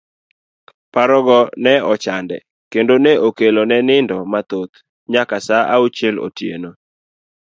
Parogo ne ochande kendo ne okelo ne nindo mathoth nya sa auchiel otieno.